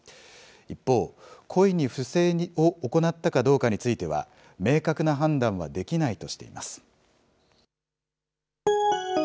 一方、故意に不正を行ったかどうかについては、明確な判断はできないとしています。